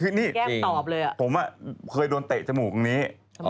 แก้มตอบเลยอะจริงผมอะเคยโดนเตะจมูกตรงนี้